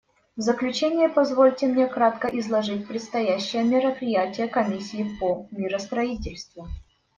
В заключение позвольте мне кратко изложить предстоящие мероприятия Комиссии по миростроительству.